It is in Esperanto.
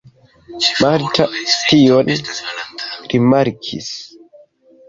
Marta tion rimarkis.